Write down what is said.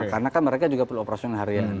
karena kan mereka juga perlu operasi dengan harian